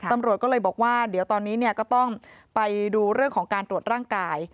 ตำรวจก็เลยบอกว่าเดี๋ยวตอนนี้ก็ต้องไปดูเรื่องของการตรวจร่างกาย